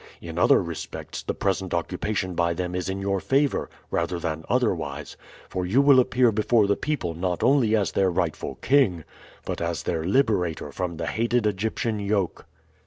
In other respects the present occupation by them is in your favor rather than otherwise, for you will appear before the people not only as their rightful king but as their liberator from the hated Egyptian yoke."